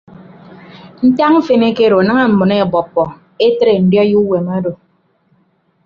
Ntak mfen ekedo daña mmọn ebọppọ etre ndiọi uwom odo.